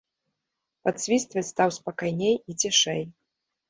Падсвістваць стаў спакайней і цішэй.